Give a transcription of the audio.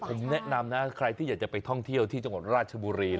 ผมแนะนำนะใครที่อยากจะไปท่องเที่ยวที่จังหวัดราชบุรี